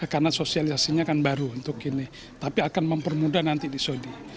karena sosialisasinya kan baru untuk ini tapi akan mempermudah nanti di sodi